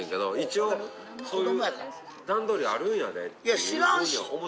いや知らんし。